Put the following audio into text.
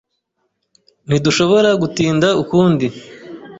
Ntidushobora gutinda ukundi.